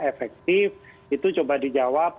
efektif itu coba dijawab